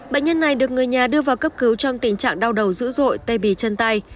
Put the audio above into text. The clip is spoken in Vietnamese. bệnh nhân này được người nhà đưa vào cấp cứu trong tình trạng đau đầu dữ dội tay bì chân tay